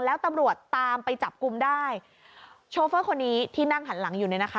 แล้วตำรวจตามไปจับกลุ่มได้โชเฟอร์คนนี้ที่นั่งหันหลังอยู่เนี่ยนะคะ